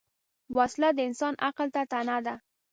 وسله د انسان عقل ته طعنه ده